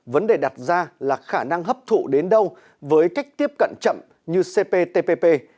vấn đề đặt ra là khả năng hấp thụ đến đâu với cách tiếp cận chậm như cptpp